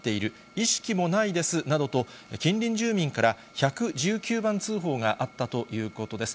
意識もないですなどと、近隣住民から１１９番通報があったということです。